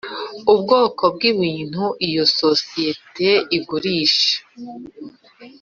Ubwoko bw ibintu iyi sosiyete igurisha